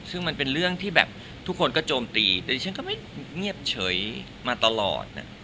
ซึ่งมันเป็นเรื่องที่แบบทุกคนก็โจมตีแต่ดิฉันก็ไม่เงียบเฉยมาตลอด